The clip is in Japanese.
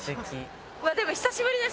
うわでも久しぶりです